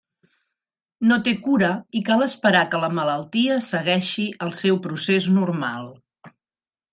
No té cura i cal esperar que la malaltia segueixi el seu procés normal.